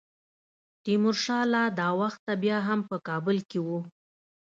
تیمورشاه لا دا وخت بیا هم په کابل کې وو.